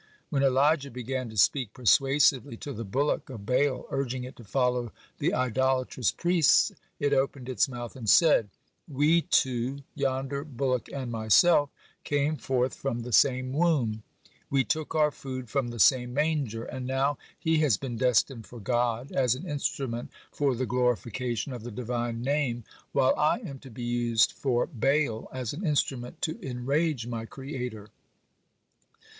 When Elijah began to speak persuasively to the bullock of Baal, urging it to follow the idolatrous priests, it opened its mouth and said: "We two, yonder bullock and myself, came forth from the same womb, we took our food from the same manger, and now he has been destined for God, as an instrument for the glorification of the Divine Name, while I am to be used for Baal, as an instrument to enrage my Creator."